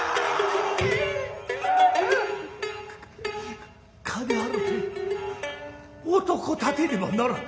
かか金払うて男立てねばならぬ。